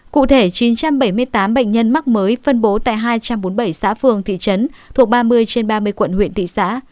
cụ thể chín trăm bảy mươi tám bệnh nhân mắc mới phân bố tại hai trăm bốn mươi bảy xã phường thị trấn thuộc ba mươi trên ba mươi quận huyện thị xã